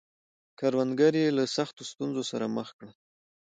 کروندګر یې له سختو ستونزو سره مخ کړل.